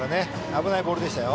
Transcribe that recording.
危ないボールでしたよ。